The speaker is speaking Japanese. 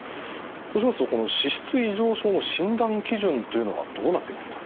そうしますとこの脂質異常症の診断基準というのはどうなってますか？